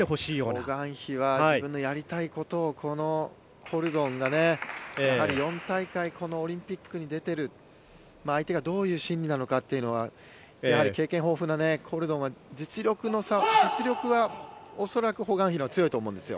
ホ・グァンヒは自分のやりたいことをコルドンがやはり４大会オリンピックに出ている相手がどういう心理なのかというのは経験豊富なコルドンは実力は恐らくホ・グァンヒのほうが強いと思うんですよ。